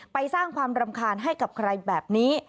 สร้างความรำคาญให้กับใครแบบนี้